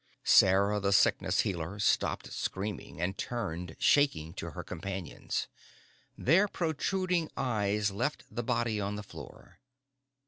Sarah the Sickness Healer stopped screaming and turned, shaking, to her companions. Their protruding eyes left the body on the floor.